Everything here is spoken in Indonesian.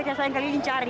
tiap kali ini cari